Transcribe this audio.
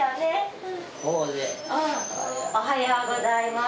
おはようございます。